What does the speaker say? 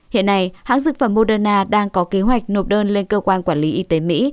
hiện nay hãng dược phẩm moderna đang có kế hoạch nộp đơn lên cơ quan quản lý y tế mỹ